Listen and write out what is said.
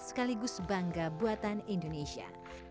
sekaligus bangga buatan indonesia